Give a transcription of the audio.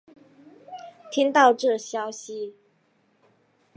听到这消息